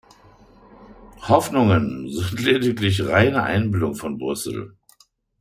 Hoffnungen sind lediglich reine Einbildung von Brüssel.